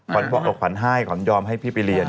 ขวัญพ่อออกขวัญให้ขวัญยอมให้พี่ไปเรียน